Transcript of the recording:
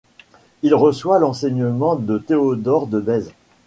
Il reçoit l'enseignement de Théodore de Bèze.